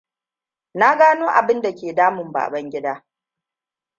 Na gano abin da ke damun Babangida.